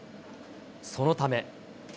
そのため。